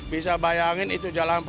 bisa bayangin itu jalur apa